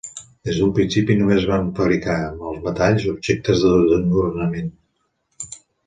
Des d'un principi, només es van fabricar, amb els metalls, objectes d'adornament.